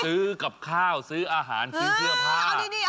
ซื้อกับข้าวซื้ออาหารซื้อเสื้อผ้า